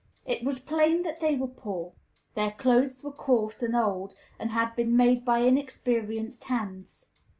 It was plain that they were poor; their clothes were coarse and old, and had been made by inexperienced hands.